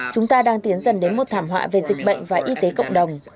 chúng ta đang tiến dần đến một thảm họa về dịch bệnh và y tế cộng đồng